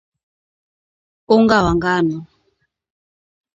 unga wa ngano